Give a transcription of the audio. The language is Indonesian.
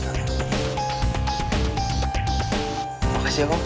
makasih ya pak